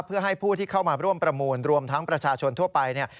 เพื่อให้ผู้ที่เข้ามาร่วมประมูลรวมทั้งประชาชนทั่วไปเนี่ย